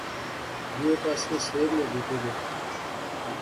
دوئے پاسے سیب نے بوٹے زے